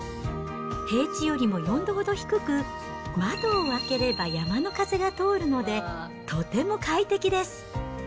平地よりも４度ほど低く、窓を開ければ山の風が通るので、とても快適です。